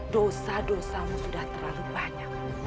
dosa dosamu sudah terlalu banyak